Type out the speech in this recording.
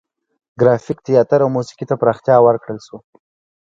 ګرافیک، تیاتر او موسیقي ته پراختیا ورکړل شوه.